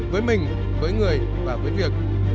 với mình với người và với việc